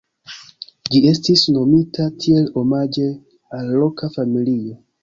Ĝi estis nomita tiel omaĝe al loka familio.